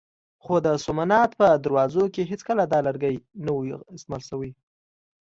خو د سومنات په دروازو کې هېڅکله دا لرګی نه و استعمال شوی.